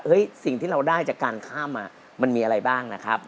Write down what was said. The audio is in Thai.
สิ่งที่เราได้จากการข้ามมันมีอะไรบ้างนะครับ